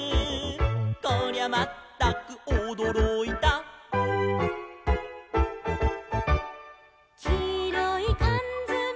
「こりゃまったくおどろいた」「きいろいかんづめ」